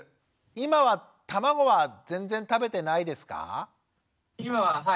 今は卵は全然食べてないですか？